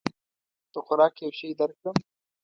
د خوراک یو شی درکړم؟